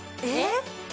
え？